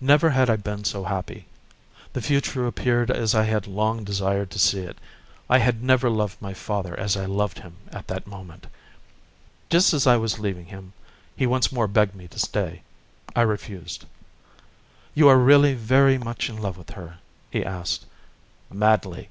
Never had I been so happy. The future appeared as I had long desired to see it. I had never loved my father as I loved him at that moment. Just as I was leaving him, he once more begged me to stay. I refused. "You are really very much in love with her?" he asked. "Madly."